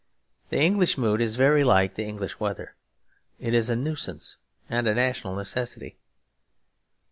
The English mood is very like the English weather; it is a nuisance and a national necessity.